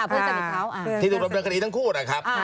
จุดลบโดยคดีทั้งคู่นะครับ